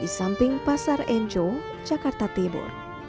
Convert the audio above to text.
di samping pasar enjong jakarta tibur